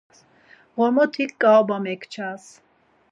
Ğormotik ǩaoba mekças.